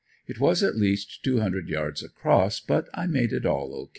It was at least two hundred yards across, but I made it all O.